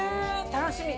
楽しみ。